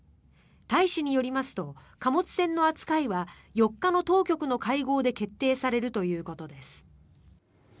大使によりますと貨物船の扱いは４日の当局の会合で決定されるということです。